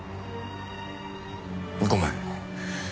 ごめん。